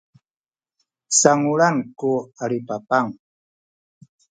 salunganay ku adipapang